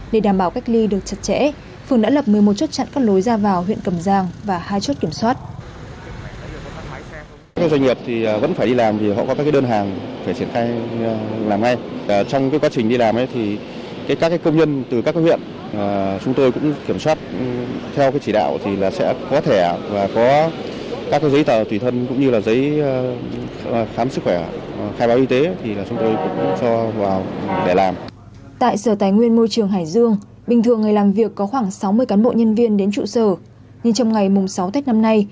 để đảm bảo cách ly được chặt chẽ phường đã lập một mươi một chốt chặn con lối ra vào huyện cầm giang và hai chốt kiểm soát